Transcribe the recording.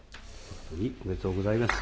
おめでとうございます。